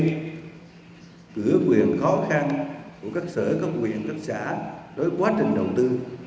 giữ quyền khó khăn của các sở các quyền các xã đối với quá trình đầu tư